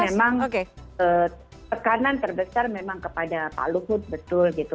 memang tekanan terbesar memang kepada pak luhut betul gitu